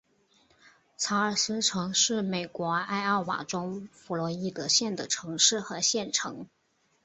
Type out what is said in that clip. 查尔斯城是美国艾奥瓦州弗洛伊德县的城市和县城。